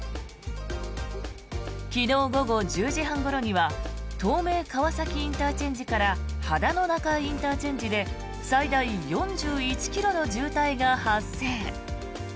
昨日午後１０時半ごろには東名川崎ＩＣから秦野中井ＩＣで最大４１ｋｍの渋滞が発生。